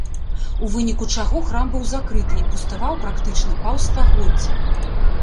У выніку чаго храм быў закрыты і пуставаў практычна паўстагоддзя.